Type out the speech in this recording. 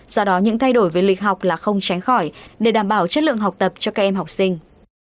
do đó những thay đổi về lịch học là không tránh khỏi để đảm bảo chất lượng học tập cho các em học sinh